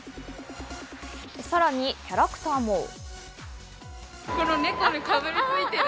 さらにキャラクターも。